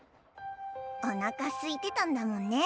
おなかすいてたんだもんね。